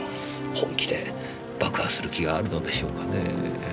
本気で爆破する気があるのでしょうかねぇ。